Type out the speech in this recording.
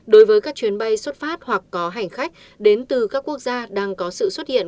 đối với các chuyến bay xuất phát hoặc có hành khách đến từ các quốc gia đang có sự xuất hiện